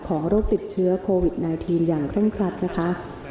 ขอโรคติดเชื้อโควิดไนทีนอย่างเคลื่อนขลัดนะคะ